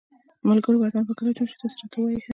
ملګروو وطن به کله جوړ شي تاسو راته ووایی ها